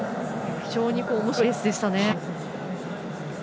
非常におもしろいレースでしたね。